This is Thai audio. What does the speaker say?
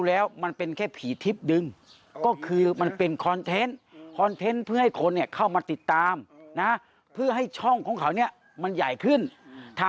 แล้วพี่ติก็จะทดลองให้ดู